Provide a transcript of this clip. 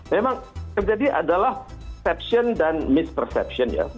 memang kebijakan adalah perception dan misperception